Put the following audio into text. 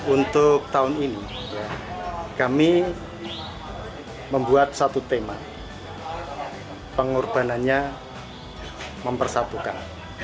untuk tahun ini kami membuat satu tema pengorbanannya mempersatukan